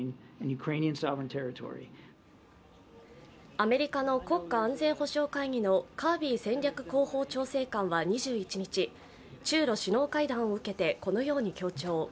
アメリカの国家安全保障会議のカービー戦略広報調整官は２１日、中ロ首脳会談を受けて、このように強調。